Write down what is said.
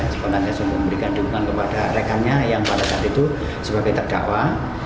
sebenarnya sudah memberikan dukungan kepada rekannya yang pada saat itu sebagai terdakwa